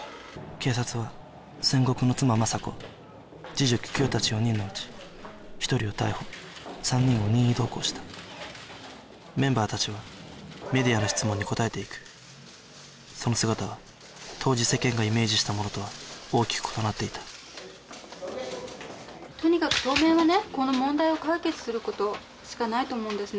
警察は千石の妻まさ子次女喜久代達４人のうち１人を逮捕３人を任意同行したメンバー達はメディアの質問に答えていくその姿は当時世間がイメージしたものとは大きく異なっていたとにかく当面はねこの問題を解決することしかないと思うんですね